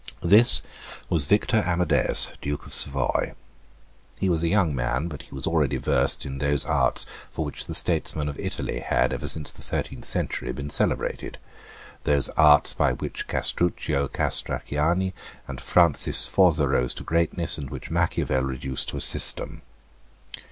This was Victor Amadeus Duke of Savoy. He was a young man; but he was already versed in those arts for which the statesmen of Italy had, ever since the thirteenth century, been celebrated, those arts by which Castruccio Castracani and Francis Sforza rose to greatness, and which Machiavel reduced to a system.